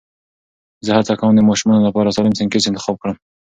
زه هڅه کوم د ماشومانو لپاره سالم سنکس انتخاب کړم.